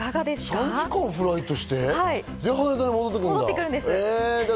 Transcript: ３時間フライトして、羽田に戻ってくるんだ。